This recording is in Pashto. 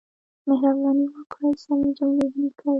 مهرباني وکړئ سمې جملې ولیکئ.